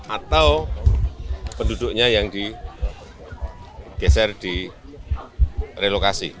atau penduduknya yang digeser direlokasi